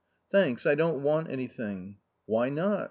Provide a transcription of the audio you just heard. " Thanks, I don't want anything." " Why not